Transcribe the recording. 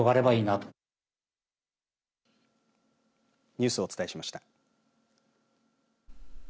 ニュースをお伝えしました。